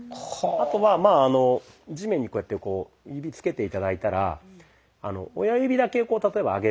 あとはまあ地面にこうやってこう指つけて頂いたら親指だけ例えば上げるんですね。